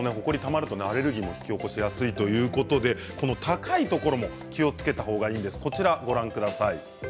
ほこりがたまるとアレルギーを引き起こしやすいことで高いところも気をつけた方がいいんです。